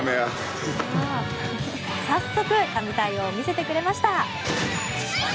早速、神対応を見せてくれました。